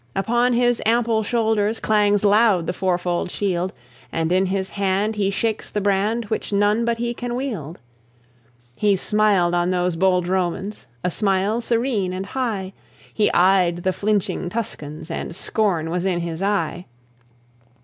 Upon his ample shoulders Clangs loud the fourfold shield, And in his hand he shakes the brand Which none but he can wield. He smiled on those bold Romans, A smile serene and high; He eyed the flinching Tuscans, And scorn was in his eye.